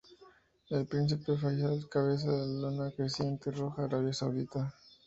El príncipe Fáisal encabeza la Luna Creciente Roja de Arabia Saudita.